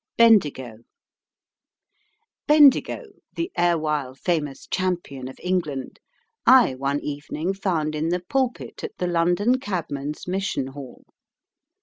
"BENDIGO." Bendigo, the erewhile famous champion of England, I one evening found in the pulpit at the London Cabman's Mission Hall.